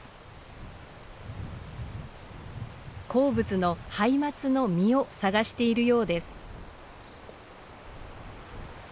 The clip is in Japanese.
好物のハイマツの実を探しているようです。